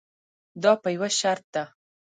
دا په یوه شرط ده.